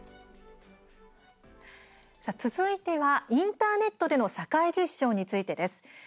さあ、続いては「インターネットでの社会実証」についてです。